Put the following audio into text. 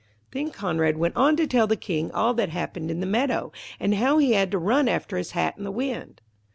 Then Conrad went on to tell the King all that happened in the meadow, and how he had to run after his hat in the wind.